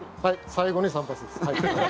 最後に散髪です。